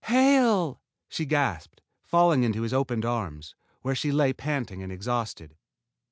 "Hale!" she gasped, falling into his opened arms, where she lay panting and exhausted.